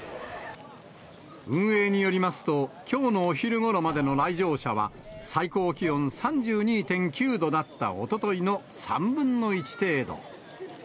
運営によりますと、きょうのお昼ごろまでの来場者は、最高気温３２．９度だったおとといの３分の１程度。